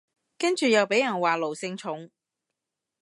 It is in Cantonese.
跟住又被人話奴性重